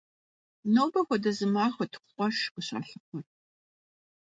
Нобэ хуэдэ зы махуэт къуэш къыщалъыхъуэр.